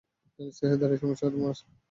কেন স্থির হয়ে দাঁড়িয়ে সম্মানের সাথে মরছ না?